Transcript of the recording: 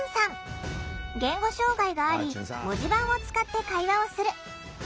言語障害があり文字盤を使って会話をする。